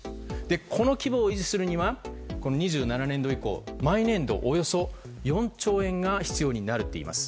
この規模を維持するには２０２７年度以降毎年度、およそ４兆円が必要になるっていいます。